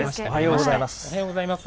おはようございます。